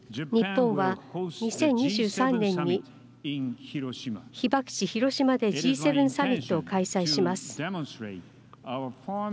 ２０２３年に被爆地、広島でＧ７サミットを開催します。